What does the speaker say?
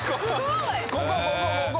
ここここここ。